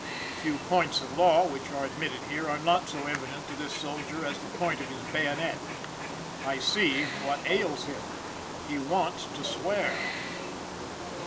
The few points of law which are admitted here are not so evident to this soldier as the point of his bayonet. I see what ails him. He wants to swear.